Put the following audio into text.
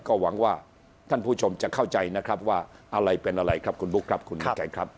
ก็หวังว่าท่านผู้ชมจะเข้าใจนะครับว่าอะไรเป็นอะไรครับคุณบุ๊คครับคุณน้ำแข็งครับ